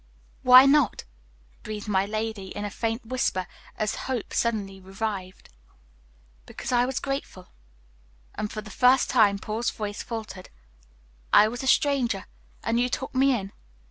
"Why not?" breathed my lady in a faint whisper, as hope suddenly revived. "Because I was grateful," and for the first time Paul's voice faltered. "I was a stranger, and you took me in.